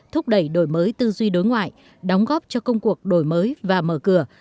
thúc đẩy đổi mới tư duy đối ngoại đóng góp cho công cuộc đổi mới và mở cửa